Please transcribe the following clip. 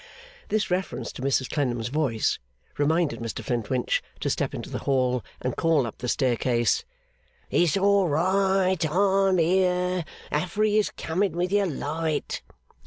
This reference to Mrs Clennam's voice reminded Mr Flintwinch to step into the hall and call up the staircase. 'It's all right, I am here, Affery is coming with your light.